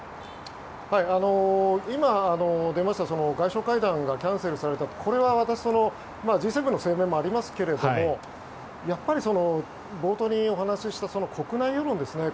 今、出ました外相会談がキャンセルされたこれは私Ｇ７の声明もありますがやっぱり、冒頭にお話しした国内世論ですね。